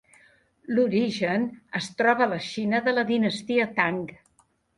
L'origen es troba a la Xina de la dinastia Tang.